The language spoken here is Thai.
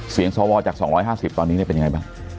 เสียงสวจาก๒๕๐ตอนนี้เป็นยังไงบ้าง